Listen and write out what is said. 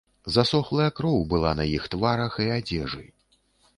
Засохлая кроў была на іх тварах і адзежы.